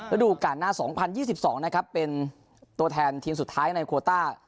ระดูกสัมหน้าสองพันยี่สิบสองนะครับเป็นตัวแทนทีมสุดท้ายในโควท่า